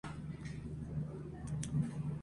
Habita en Bioko y Camerún.